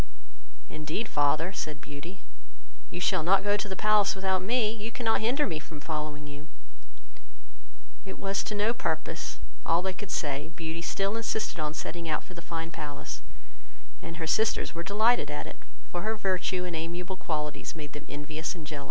"Indeed, father (said Beauty), you shall not go to the palace without me, you cannot hinder me from following you." It was to no purpose all they could say, Beauty still insisted on setting out for the fine palace; and her sisters were delighted at it, for her virtue and amiable qualities made them envious and jealous.